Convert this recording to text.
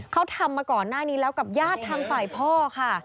เขาทำมาก่อนหน้านี้แล้วกับญาติทางฝ่ายพ่อค่ะ